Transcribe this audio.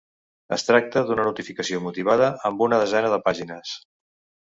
Es tracta d’una notificació motivada, amb una desena de pàgines.